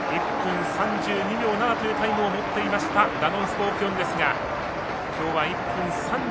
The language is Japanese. １分３２秒７というタイムを持っていましたダノンスコーピオンですがきょうは１分３２秒３。